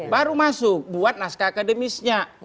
baru masuk buat naskah akademisnya